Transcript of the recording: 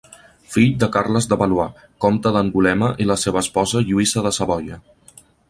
Fill de Carles de Valois, comte d'Angulema i la seva esposa Lluïsa de Savoia.